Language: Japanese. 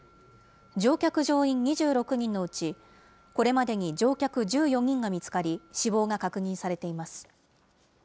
乗客・乗員２６人のうち、これまでに乗客１４人が見つかり、死亡が確認されています。